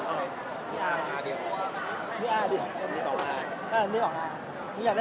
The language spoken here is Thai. สวัสดีครับ